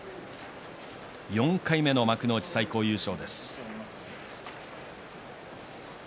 ４回目の幕内最高優勝。